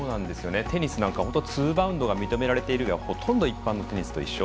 テニスなんかツーバウンドを認められている以外はほとんど一般のテニスと一緒。